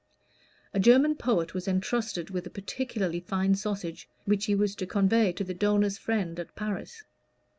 A German poet was entrusted with a particularly fine sausage, which he was to convey to the donor's friend at Paris.